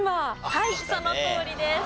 はいそのとおりです。